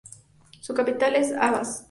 Su capital es Ahvaz.